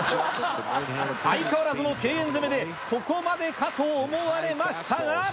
相変わらずの敬遠攻めでここまでかと思われましたが。